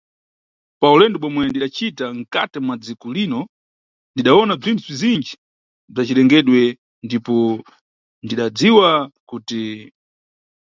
Pa ulendo bomwe ndidacita mkhati mwa dziko lino ndidawona bzinthu bzizinji bza cirengedwe ndipo ndidadziwa kuti.